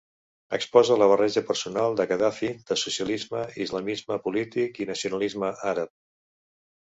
Exposa la barreja personal de Gaddafi de socialisme, islamisme polític i nacionalisme àrab.